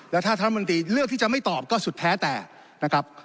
แล้วถ้าท่านรัฐมนตรีเลือกที่จะไม่ตอบก็สุดแท้แต่นะครับ